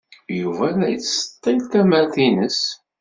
Yuba la yettseḍḍil tamart-nnes.